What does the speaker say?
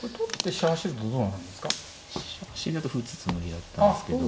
飛車走りだと歩打つつもりだったんですけど。